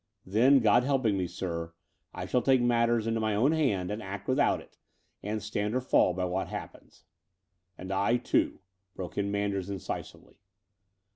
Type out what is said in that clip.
"Then, God helping me, sir, I shall take matters into my own hands and act without it, and stand or fall by what happens." "And I, too," broke in Manders incisively.